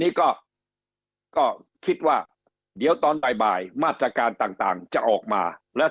นี้ก็ก็คิดว่าเดี๋ยวตอนบ่ายมาตรการต่างจะออกมาแล้ว